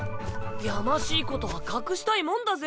やましいことは隠したいもんだぜ。